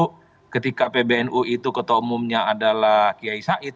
jadi ketika pbnu itu ketua umumnya adalah kiai said